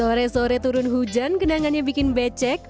sore sore turun hujan kenangannya bikin becek